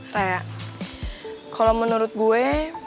re kalo menurut gua